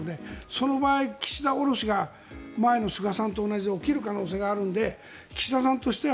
その場合、岸田降ろしが前の菅さんと同じで起きる可能性があるので岸田さんとしては